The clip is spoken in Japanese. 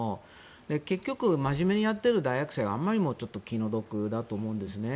結局まじめにやっている大学生があまりにも気の毒だと思うんですね。